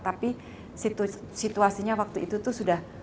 tapi situasinya waktu itu tuh sudah